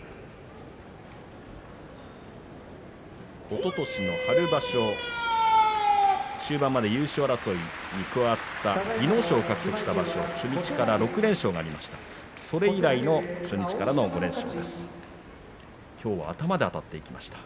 おととしの春場所終盤まで優勝争いに加わったそして技能賞を獲得した場所は初日から６連勝がありました。